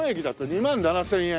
２万７０００円。